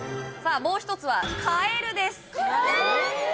もう一つはカエルですええー？